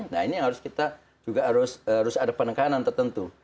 nah ini yang harus kita juga harus ada penekanan tertentu